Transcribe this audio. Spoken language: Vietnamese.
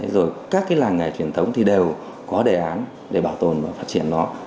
rồi các cái làng nghề truyền thống thì đều có đề án để bảo tồn và phát triển nó